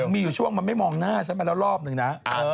มีอยู่ช่วงมันไม่มองหน้าฉันมาแล้วรอบนึงนะ